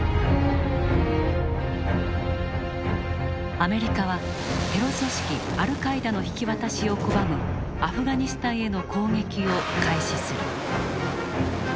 アメリカはテロ組織アルカイダの引き渡しを拒むアフガニスタンへの攻撃を開始する。